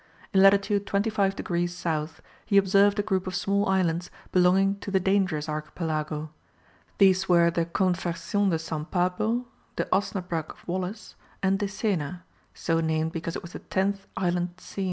In latitude 25 degrees south he observed a group of small islands belonging to the Dangerous archipelago. These were the Convercion de San Pablo, the Osnabrugh of Wallis, and Decena, so named because it was the tenth island seen.